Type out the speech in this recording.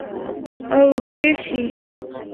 او اوږدې شي